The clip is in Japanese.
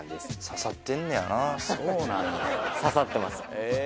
刺さってます。